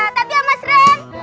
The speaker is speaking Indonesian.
ya tante ya mas ren